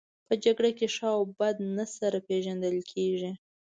په جګړه کې ښه او بد نه سره پېژندل کیږي